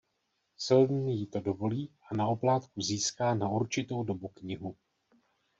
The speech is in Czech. Seldon jí to dovolí a na oplátku získá na určitou dobu Knihu.